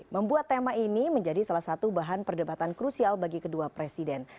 membuat tema ini menjadi salah satu bahan perdebatan krusial bagi kedua presiden